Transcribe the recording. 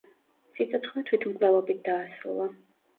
სიცოცხლე თვითმკვლელობით დაასრულა.